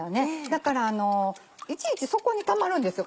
だからいちいち底にたまるんですよ